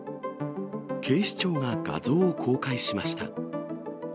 警視庁が画像を公開しました。